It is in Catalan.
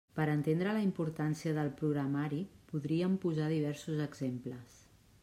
Per entendre la importància del programari podríem posar diversos exemples.